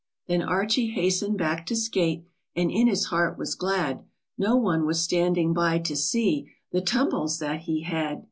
Then Archie hasten'd back to skate, And in his heart was glad, No one was standing by to see The tumbles that he had.